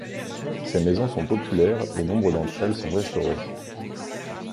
Ces maisons sont populaires et nombre d'entre elles sont restaurées.